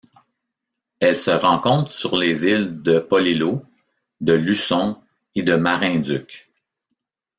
Elle se rencontre sur les îles de Polillo, de Luçon et de Marinduque.